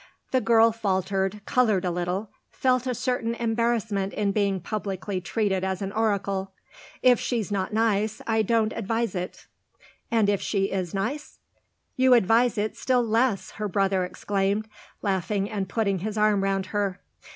The girl faltered, coloured a little, felt a certain embarrassment in being publicly treated as an oracle. "If she's not nice I don't advise it." "And if she is nice?" "You advise it still less!" her brother exclaimed, laughing and putting his arm round her.